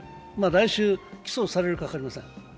来週起訴されるか分かりません。